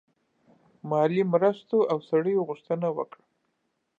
مالي مرستو او سړیو غوښتنه وکړه.